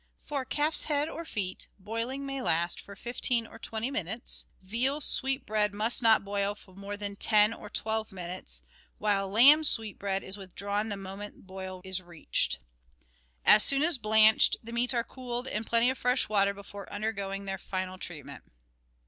For calf's head or feet, boiling may last for fifteen or twenty minutes; veal sweet bread must not boil for more than ten or twelve minutes; while lamb sweet bread is withdrawn the moment the boil is reached. As soon as blanched, the meats are cooled in plenty of fresh water before undergoing their final treatment.